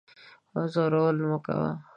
ځورول مکوه